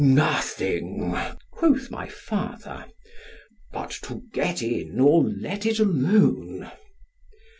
_ Nothing, quoth my father, but to get in——or let it alone.